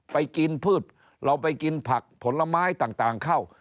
ไปกินพืชเราไปกินผักผลไม้ต่างเข้า